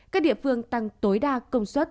các địa phương tăng tối đa công suất